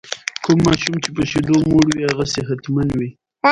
زراعت د افغان کلتور په داستانونو کې راځي.